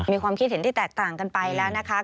มีความคิดเห็นที่แตกต่างกันไปแล้วนะคะ